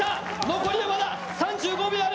残りはまだ３５秒ある。